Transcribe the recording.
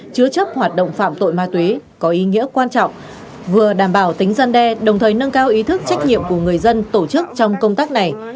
chứa chấp hoạt động phạm tội ma túy có ý nghĩa quan trọng vừa đảm bảo tính gian đe đồng thời nâng cao ý thức trách nhiệm của người dân tổ chức trong công tác này